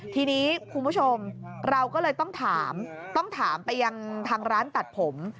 ทีนี้คุณผู้ชมเราก็เลยต้องถามต้องถามไปยังทางร้านตัดผม